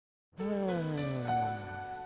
うん。